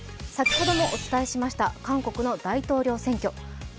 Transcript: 先ほどもお伝えしました、韓国の大統領選挙。